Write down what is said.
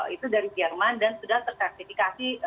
itu dari jerman dan sudah tersertifikasi